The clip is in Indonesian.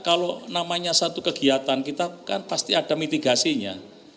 kalau namanya satu kegiatan kita kan pasti ada mitigasinya